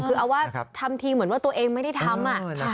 คือเอาว่าทำทีเหมือนว่าตัวเองไม่ได้ทำ